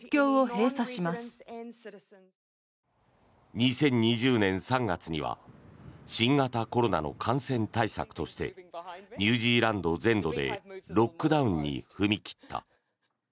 ２０２０年３月には新型コロナの感染対策としてニュージーランド全土でロックダウンに踏み切った。